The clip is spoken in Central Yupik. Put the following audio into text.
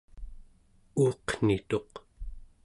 uuqnituq